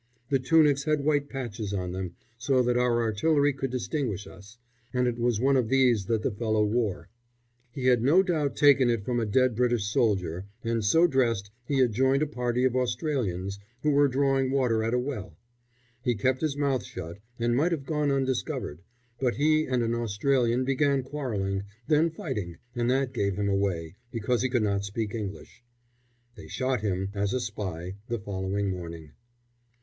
The tunics had white patches on them, so that our artillery could distinguish us, and it was one of these that the fellow wore. He had no doubt taken it from a dead British soldier, and so dressed, he had joined a party of Australians who were drawing water at a well. He kept his mouth shut, and might have gone undiscovered, but he and an Australian began quarrelling, then fighting, and that gave him away, because he could not speak English. They shot him, as a spy, the following morning.